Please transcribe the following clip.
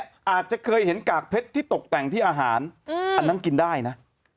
อาจจะเคยเห็นกากเพชรที่ตกแต่งที่อาหารอันนั้นกินได้นะ